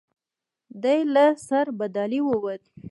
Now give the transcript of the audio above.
دی له سربدالۍ ووت.